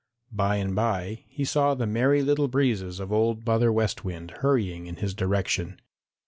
By and by he saw the Merry Little Breezes of old Mother West Wind hurrying in his direction.